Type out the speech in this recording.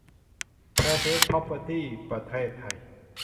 เฟรเซอร์ส พร็อพเพอร์ตี้ ประเทศไทย